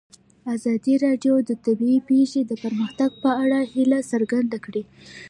ازادي راډیو د طبیعي پېښې د پرمختګ په اړه هیله څرګنده کړې.